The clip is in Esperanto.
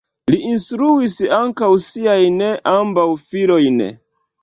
Li instruis ankaŭ siajn ambaŭ filojn.